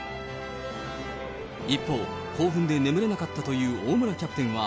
一方、興奮で眠れなかったという大村キャプテンは、